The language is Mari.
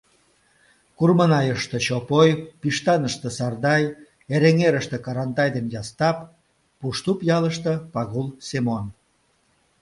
Курманайыште — Чопой, Пиштаныште — Сардай, Эреҥерыште — Карантай ден Ястап, Пуштуп ялыште — Пагул Семон...